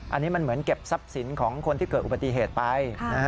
อันนี้มันเหมือนเก็บทรัพย์สินของคนที่เกิดอุบัติเหตุไป